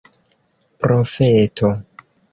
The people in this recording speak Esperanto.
profeto